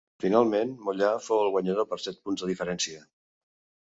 Finalment, Mollà fou el guanyador per set punts de diferència.